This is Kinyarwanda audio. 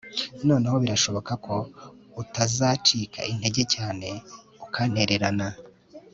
noneho birashoboka ko utazacika intege cyane ukantererana